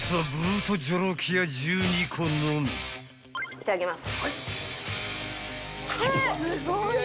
いただきます。